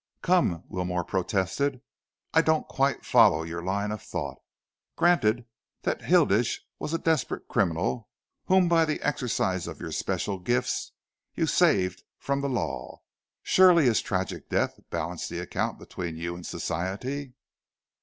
"Come," Wilmore protested, "I don't quite follow your line of thought. Granted that Hilditch was a desperate criminal whom by the exercise of your special gifts you saved from the law, surely his tragic death balanced the account between you and Society?"